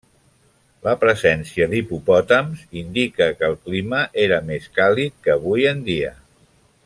La presència d'hipopòtams indica que el clima era més càlid que avui en dia.